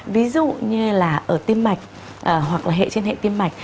ví dụ như là ở tim mạch hoặc là hệ trên hệ tim mạch